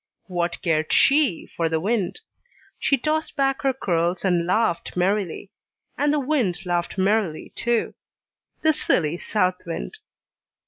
What cared she for the wind? She tossed back her curls and laughed merrily, and the wind laughed merrily too, the silly south wind!